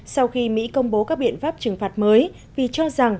sau khi mỹ công bố các biện pháp trừng phạt mới vì cho rằng